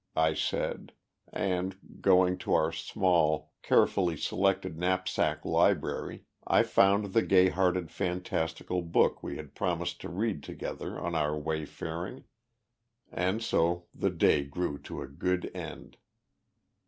I said, and, going to our small, carefully selected knapsack library, I found the gay hearted fantastical book we had promised to read together on our wayfaring; and so the day drew to a good end.